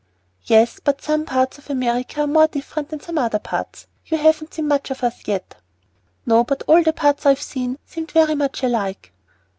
"Yes, but some parts of America are more different than some other parts. You haven't seen much of us as yet." "No, but all the parts I have seen seemed very much alike."